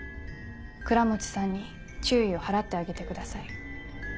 倉持さんに注意を払ってあげてください。